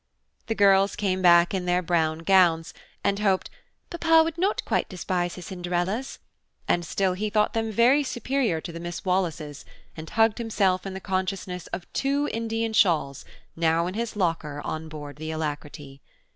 The girls came back in their brown gowns, and hoped "Papa would not quite despise his Cinderella's," and still he thought them very superior to the Miss Wallaces, and hugged himself in the consciousness of two Indian shawls, now in his locker, on board the Alacrity.